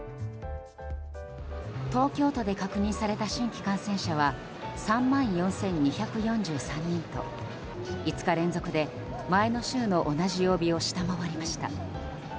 東京都で確認された新規感染者は３万４２４３人と５日連続で前の週の同じ曜日を下回りました。